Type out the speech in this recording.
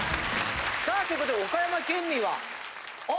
さあ！ということで岡山県民は？あっ！